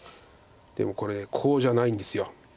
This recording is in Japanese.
でもこれコウじゃないんです。